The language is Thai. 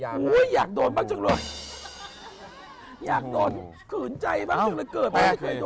อยากโดนบ้างจังเลย